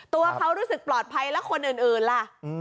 ตัวเขารู้สึกปลอดภัยแล้วคนอื่นล่ะ